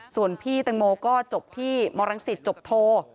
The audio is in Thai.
ส่วนพี่แตงโมก็จบที่มรังสิตจบโท